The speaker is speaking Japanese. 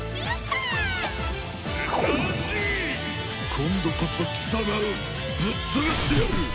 今度こそ貴様をぶっ潰してやる！